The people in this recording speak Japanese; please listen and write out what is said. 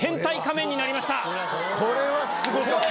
これはスゴかった！